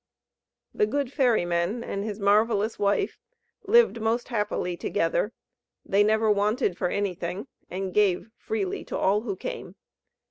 The good ferry man and his marvellous wife lived most happily together; they never wanted for anything, and gave freely to all who came.